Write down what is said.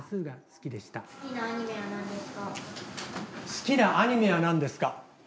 「好きなアニメはなんですか」。